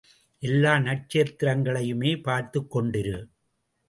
எல்லா நட்சத்திரங்களையுமே பார்த்துக் கொண்டிரு!